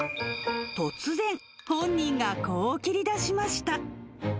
突然、本人がこう切り出しました。